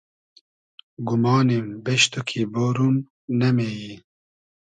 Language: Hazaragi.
گومانیم بیش تو کی بۉروم ، نۂ مې یی